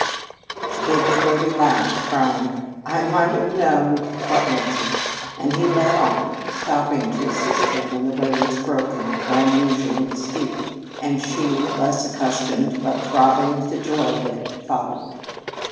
She gave a throaty laugh, crying, "I might have known!" for answer, and he led on, stopping to assist her when the way was broken or unusually steep, and she, less accustomed but throbbing with the joy of it, followed.